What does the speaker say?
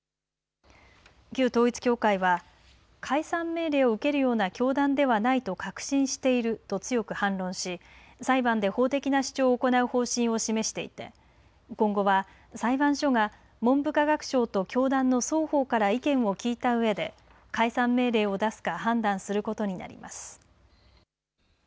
旧統一教会は解散命令を受けるような教団ではないと確認していると強く反論し、裁判で法的な主張を行う方針を示していて今後は裁判所が文部科学省と教団の双方から意見を聞いたうえで解散命令を出すか判断することになります。